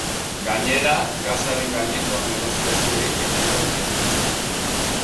Gainera, gasaren gaineko negoziazioei ekingo diete.